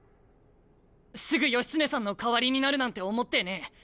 すぐ義経さんの代わりになるなんて思ってねえ。